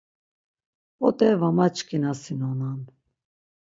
P̆ot̆e va maçkinasinonan.